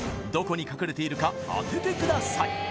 どこに隠れているか当ててください